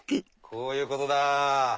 こういうことだ！